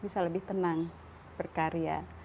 bisa lebih tenang berkarya